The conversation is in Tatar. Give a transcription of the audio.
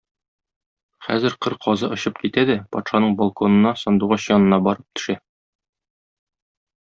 Хәзер кыр казы очып китә дә патшаның балконына - Сандугач янына барып төшә.